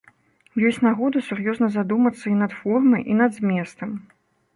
Ёсць нагода сур'ёзна задумацца і над формай, і над зместам.